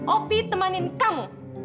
opi temanin kamu